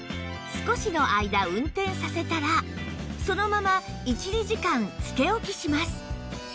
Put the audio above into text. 少しの間運転させたらそのまま１２時間つけ置きします